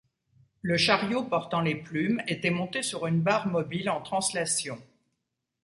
Le chariot portant les plumes était monté sur une barre mobile en translation.